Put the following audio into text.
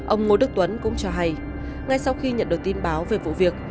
ông ngô đức tuấn cũng cho hay ngay sau khi nhận được tin báo về vụ việc